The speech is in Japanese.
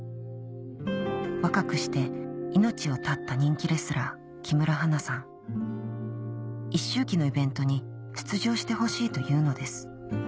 若くして命を絶った人気レスラー・木村花さん一周忌のイベントに出場してほしいというのです